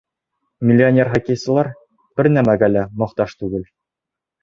Миллионер хоккейсылар бер нәмәгә лә мохтаж түгел.